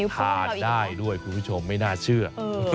ทานได้ด้วยคุณผู้ชมไม่น่าเชื่อ